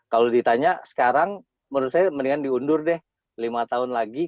kalau ditanya sekarang menurut saya mendingan diundur deh lima tahun lagi